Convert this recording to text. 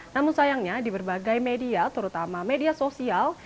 namun sayangnya di berbagai media terutama media sosial